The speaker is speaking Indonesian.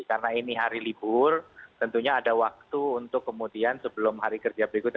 karena ini hari libur tentunya ada waktu untuk kemudian sebelum hari kerja berikutnya